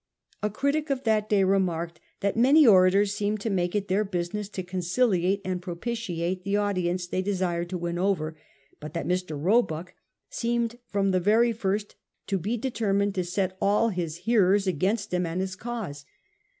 A critic of that day remarked that most orators seemed to make it their business to conciliate and propitiate the audi ence they desired to win over, but that Mr. Roebuck seemed from the very first to be determined to set all his hearers against him and his cause.